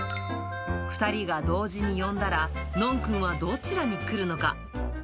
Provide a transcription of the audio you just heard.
２人が同時に呼んだら、ノンくんはどちらに来るのか。